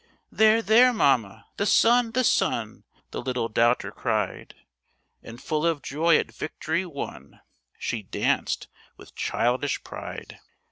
"There, there, mamma, the sun, the sun!" The little doubter cried. And, full of joy at victory won, She danced with childish pride.